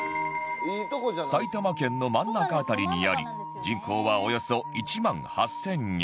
埼玉県の真ん中辺りにあり人口はおよそ１万８０００人